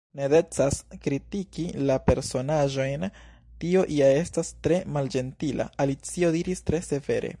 "Ne decas kritiki la personaĵojn; tio ja estas tre malĝentila." Alicio diris tre severe.